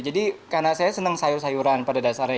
jadi karena saya senang sayur sayuran pada dasarnya